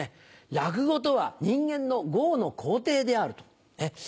「落語とは人間の業の肯定である」と。